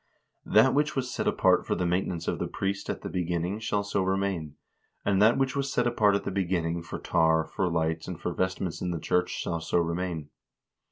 That which was set apart for the maintenance of the priest at the beginning shall so remain ; and that which was set apart at the beginning for tar, for lights, and for vestments in the church shall so remain.